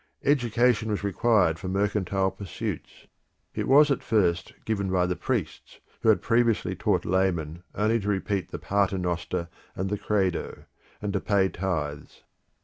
Education was required for mercantile pursuits; it was at first given by the priests who had previously taught laymen only to repeat the paternoster and the credo, and to pay tithes.